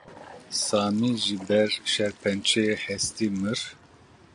Samî ji ber şêrpenceya hestî mir.